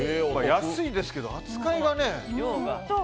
安いですけど扱いがね。